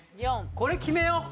これ決めよう。